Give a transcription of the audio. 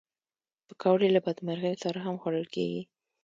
پکورې له بدمرغیو سره هم خوړل کېږي